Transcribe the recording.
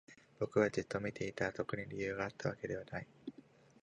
僕はじっと見ていた。特に理由があったわけじゃない。